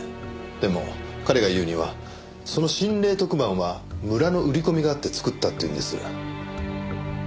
でも彼が言うにはその心霊特番は村の売り込みがあって作ったっていうんです。